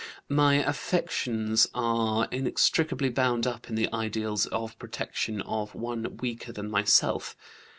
My affections are inextricably bound up in the ideals of protection of one weaker than myself.